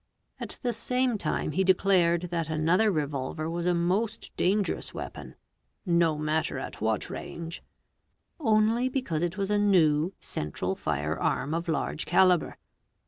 At the same time he declared that another Yevolyer was a most dangerous weapon, "no matter at what range'', ly because it was a new, central fire arm of large calibre.